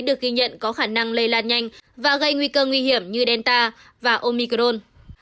được ghi nhận có khả năng lây lan nhanh và gây nguy cơ nguy hiểm như delta và omicron